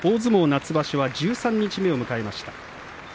夏場所十三日目を迎えました。